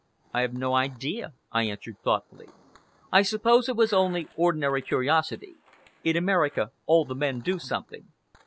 "I have no idea," I answered thoughtfully. "I suppose it was only ordinary curiosity. In America all the men do something."